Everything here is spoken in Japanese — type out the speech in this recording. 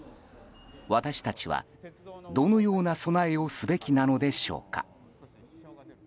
私たちは、どのような備えをすべきなのでしょうか。